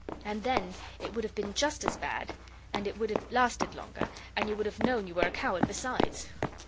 And then it would have been just as bad, and it would have lasted longer, and you would have known you were a coward besides.